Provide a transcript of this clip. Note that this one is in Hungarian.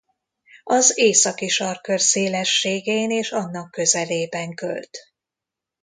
Az északi-sarkkör szélességén és annak közelében költ.